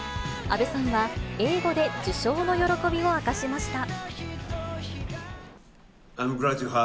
阿部さんは、英語で受賞の喜びを明かしました。